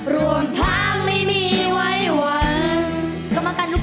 รวมทางไม่มีไหวหวัง